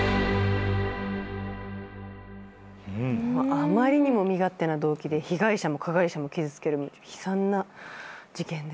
あまりにも身勝手な動機で被害者も加害者も傷つける悲惨な事件でした。